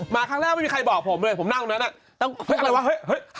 ครั้งแรกไม่มีใครบอกผมเลยผมนั่งตรงนั้นอะไรวะเฮ้ย